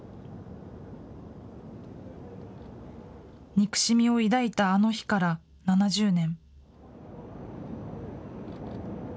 憎しみを抱いたあの日から７０年。